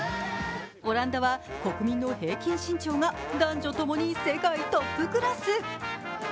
オランダは国民の平均身長が男女ともに世界トップクラス。